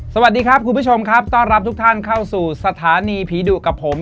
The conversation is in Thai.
สวัสดีครับคุณผู้ชมครับต้อนรับทุกท่านเข้าสู่สถานีผีดุกับผม